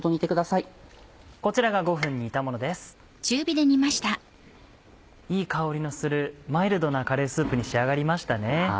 いい香りのするマイルドなカレースープに仕上がりましたね。